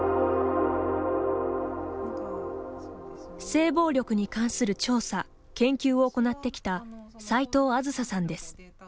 性暴力に関する調査・研究を行ってきた齋藤梓さんです。